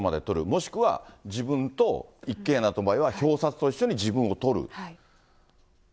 もしくは、自分と、一軒家だった場合は、表札と一緒に自分を撮る。